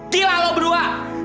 tila lo berdua